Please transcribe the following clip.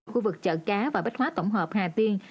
khu vực chợ cá và bách hóa tổng hợp hà tiên